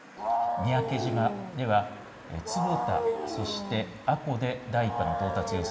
三宅島では坪田、そして阿古で第１波の到達予想